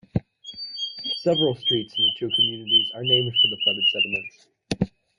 Several streets in the two communities are named for the flooded settlements.